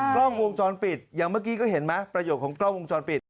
กล้องวงจรปิดอย่างเมื่อกี้ก็เห็นไหมประโยชน์ของกล้องวงจรปิด